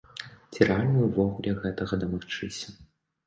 Ці рэальна ўвогуле гэтага дамагчыся?